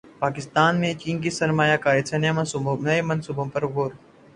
پاکستان میں چین کی سرمایہ کاری سے نئے منصوبوں پر غور